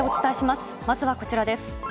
まずはこちらです。